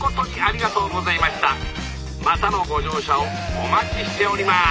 またのご乗車をお待ちしております」。